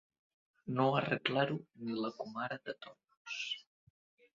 No arreglar-ho ni la comare de Tollos.